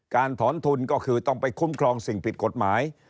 ถอนทุนก็คือต้องไปคุ้มครองสิ่งผิดกฎหมาย